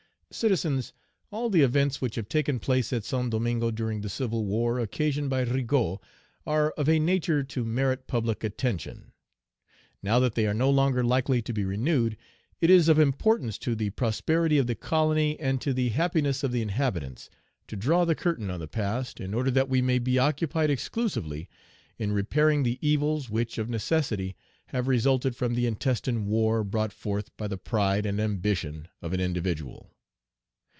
"Citizens, All the events which have taken place at Saint Domingo during the civil war occasioned by Rigaud are of a nature to merit public attention. "Now that they are no longer likely to be renewed, it is of importance to the prosperity of the colony, and to the happiness of the inhabitants, to draw the curtain on the past, in order that we may be occupied exclusively in repairing the evils which, of necessity, have resulted from the intestine war brought forth by the pride and ambition of an individual.